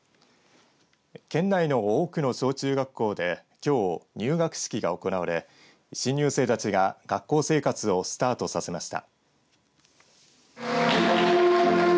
県内の多くの小中学校できょう入学式が行われ新入生たちが学校生活をスタートさせました。